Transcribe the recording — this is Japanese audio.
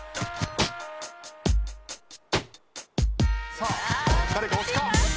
さあ誰か押すか？